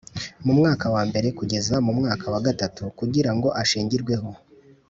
mu mwaka wa mbere kugeza mumwaka wa gatatu kugira ngo ashingirweho